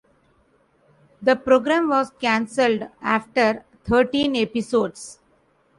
The program was cancelled after thirteen episodes.